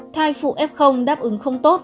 thai phụ f đáp ứng không tốt